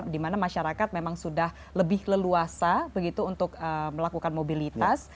di mana masyarakat memang sudah lebih leluasa begitu untuk melakukan mobilitas